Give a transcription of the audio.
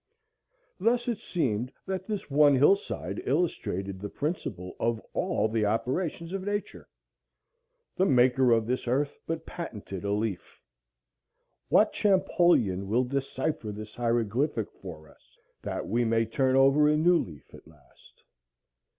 Thus it seemed that this one hillside illustrated the principle of all the operations of Nature. The Maker of this earth but patented a leaf. What Champollion will decipher this hieroglyphic for us, that we may turn over a new leaf at last?